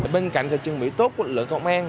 bên cạnh sự chuẩn bị tốt của lực lượng công an